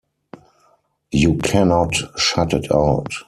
You cannot shut it out.